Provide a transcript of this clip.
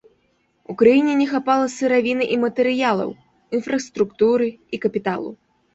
У краіне не хапала сыравіны і матэрыялаў, інфраструктуры і капіталу.